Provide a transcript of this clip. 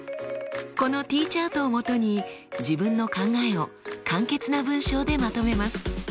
このＴチャートを基に自分の考えを簡潔な文章でまとめます。